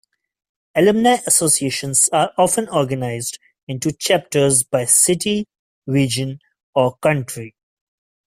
Alumni associations are often organized into chapters by city, region, or country.